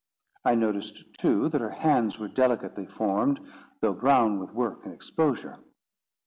I noticed too that her hands were delicately formed, though brown with work and exposure.